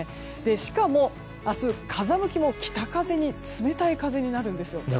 しかも、明日は風向きも北寄りの冷たい風になるんです。